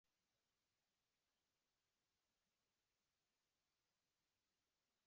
Se quitan y ya se consideran listos para ser vendidos.